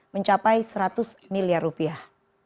mencapai seratus miliar rupiah